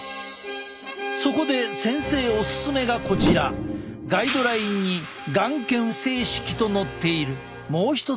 そこで先生オススメがこちらガイドラインに眼瞼清拭と載っているもう一つの方法。